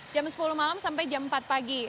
jam sepuluh malam sampai jam empat pagi